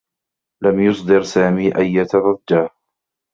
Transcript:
لم يصدر سامي أيّة ضجّة.